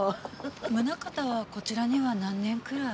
宗形はこちらには何年くらい？